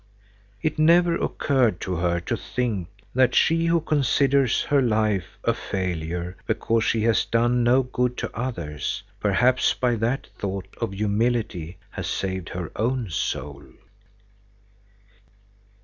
It never occurred to her to think that she who considers her life a failure because she has done no good to others, perhaps by that thought of humility has saved her own soul.